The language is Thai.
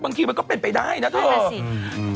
บางทีมันก็เป็นไปได้นะเถอะ